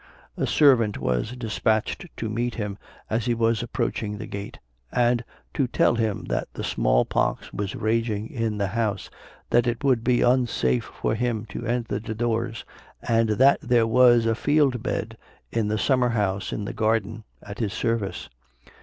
A servant was despatched to meet him as he was approaching the gate, and to tell him that the small pox was raging in the house, that it would be unsafe for him to enter the doors, but that there was a field bed in the summer house in the garden, at his service.